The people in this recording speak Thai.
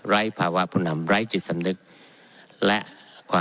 ไร้ภาวะผู้นำไร้จิตสำนึก